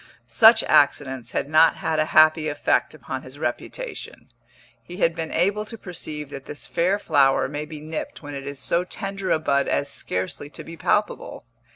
Such accidents had not had a happy effect upon his reputation; he had been able to perceive that this fair flower may be nipped when it is so tender a bud as scarcely to be palpable.